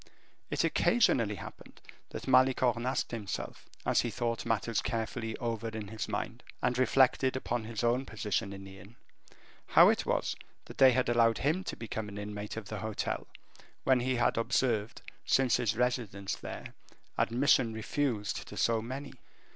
It occasionally happened that Malicorne asked himself, as he thought matters carefully over in his mind, and reflected upon his own position in the inn, how it was that they had allowed him to become an inmate of the hotel, when he had observed, since his residence there, admission refused to so many.